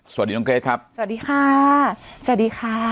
สวัสดีน้องเกรทครับสวัสดีค่ะสวัสดีค่ะ